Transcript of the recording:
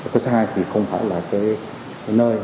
cơ sở hai thì không phải là cái nơi